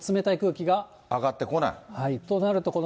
上がってこない？